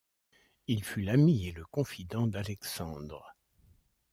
Il fut l'ami et le confident d'Alexandre.